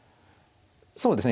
そうですね。